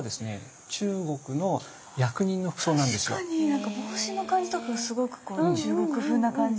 何か帽子の感じとかがすごくこう中国風な感じ。